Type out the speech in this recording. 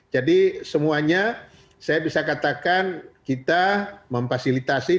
jadi semuanya saya bisa katakan kita memfasilitasi